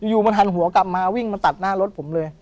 อยู่มันหันหัวกลับมาวิ่งมาตัดหน้ารถผมเลย